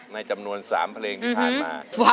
ในจำนวน๓เพลงที่ผ่านมา